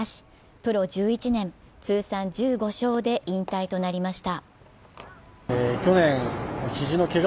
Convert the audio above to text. プロ１１年、通算１５勝で引退となりました。